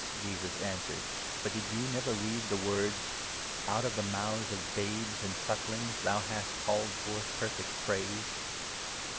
"Yes, "answered Jesus; " butdidyou never read the words —' Out of the mouths of babes and suckling's thou hast called forth perfect praise